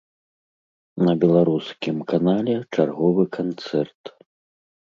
На беларускім канале чарговы канцэрт.